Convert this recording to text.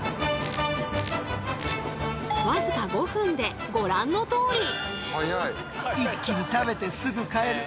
僅か５分でご覧のとおり。